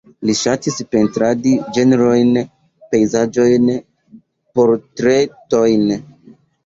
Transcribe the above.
Li ŝatis pentradi ĝenrojn, pejzaĝojn, portretojn.